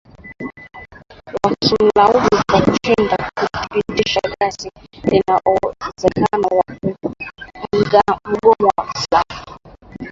wakimlaumu kwa kushindwa kudhibiti ghasia zinazoongezeka za wanamgambo wa kiislamu